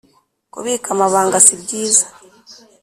kubika amabanga sibyiza